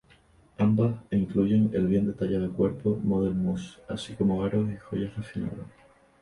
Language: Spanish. Ambas incluyen el bien detallado cuerpo "model muse" así como aros y joyas refinadas.